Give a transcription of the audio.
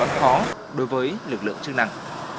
còn khó đối với lực lượng chức năng